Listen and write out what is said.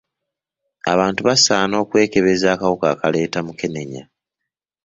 Abantu basaana okwekebeza akawuka akaleeta mukenenya.